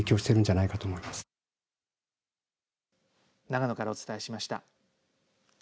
長野からお伝えしました。